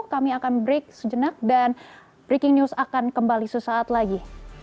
kami akan break sejenak dan breaking news akan kembali sesaat lagi